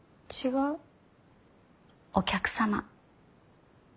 お客様。